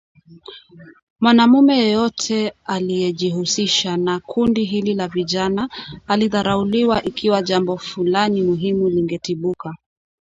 Mwanamume yeyote aliyejihusisha na kundi hili la vijana alidharauliwa ikiwa jambo fulani muhimu lingetibuka